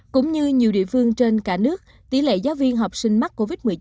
cũng như nhiều địa phương trên cả nước tỷ lệ giáo viên học sinh mắc covid một mươi chín